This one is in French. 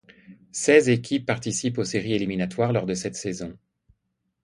Seize équipes participent aux séries éliminatoires lors de cette saison.